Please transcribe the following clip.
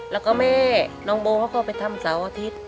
แล้วก็แม่น้องโบเขาก็ไปทำเสาร์อาทิตย์